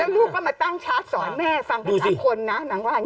แล้วลูกก็มาตั้งชาร์จสอนแม่ฟังแปลงคนนะนางว่า